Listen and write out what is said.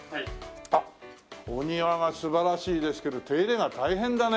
あっお庭が素晴らしいですけど手入れが大変だね。